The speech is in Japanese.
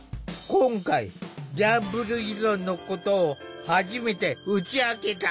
今回ギャンブル依存のことを初めて打ち明けた。